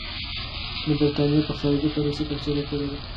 د برټانیې پر خارجي پالیسۍ تبصره کړې ده.